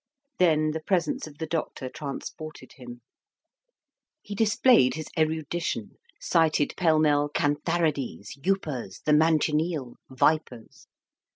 Then the presence of the doctor transported him. He displayed his erudition, cited pell mell cantharides, upas, the manchineel, vipers.